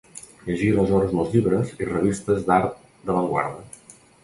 Llegí aleshores molts llibres i revistes d'art d'avantguarda.